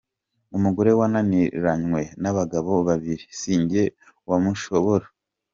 Umugore wananiranywe n’abagabo babiri si jye wamushobora’.